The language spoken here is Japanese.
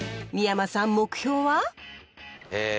三山さん目標は？え